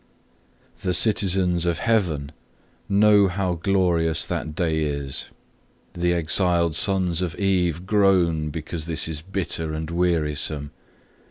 2. The citizens of heaven know how glorious that day is; the exiled sons of Eve groan, because this is bitter and wearisome.